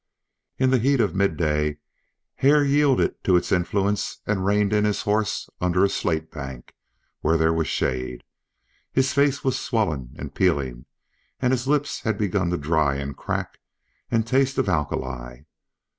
In the heat of midday Hare yielded to its influence and reined in his horse under a slate bank where there was shade. His face was swollen and peeling, and his lips had begun to dry and crack and taste of alkali.